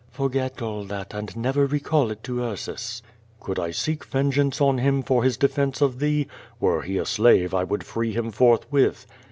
'"Forget all that, and never recall it to Ursus." "Could I seek vengeance on him for his defence of thee? Were he a slave I would free him forthwith."